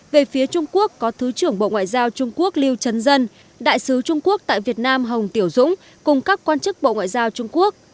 về phía trung quốc có thứ trưởng bộ ngoại giao trung quốc lưu chấn dân đại sứ trung quốc tại việt nam hồng tiểu dũng cùng các quan chức bộ ngoại giao trung quốc